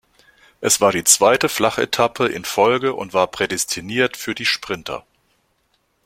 Es war die zweite Flachetappe in Folge und war prädestiniert für die Sprinter.